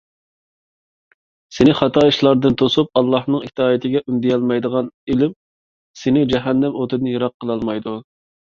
سېنى خاتا ئىشلاردىن توسۇپ، ئاللاھنىڭ ئىتائىتىگە ئۈندىيەلمەيدىغان ئىلىم سېنى جەھەننەم ئوتىدىن يىراق قىلالمايدۇ.